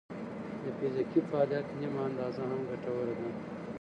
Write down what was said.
د فزیکي فعالیت نیمه اندازه هم ګټوره ده.